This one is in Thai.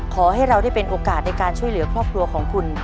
ขอให้เราได้เป็นโอกาสในการช่วยเหลือครอบครัวของคุณ